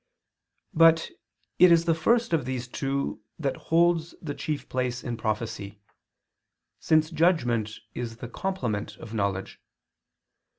But it is the first of these two that holds the chief place in prophecy, since judgment is the complement of knowledge.